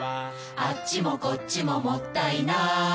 「あっちもこっちももったいない」